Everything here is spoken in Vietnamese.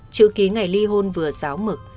chữ ký ngày ly hôn vừa giáo mực